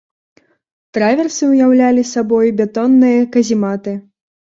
Траверсы ўяўлялі сабой бетонныя казематы.